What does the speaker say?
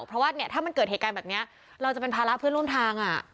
เพราะว่าเนี่ยถ้ามันเกิดเหตุการณ์แบบนี้เราจะเป็นภาระเพื่อนร่วมทาง